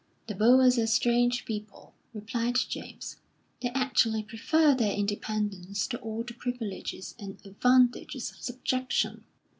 "The Boers are strange people," replied James. "They actually prefer their independence to all the privileges and advantages of subjection....